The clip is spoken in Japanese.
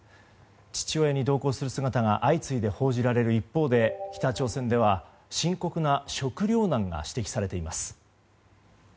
父親に同行する姿が相次いで報じられる一方で北朝鮮では深刻な食糧難が指摘されています。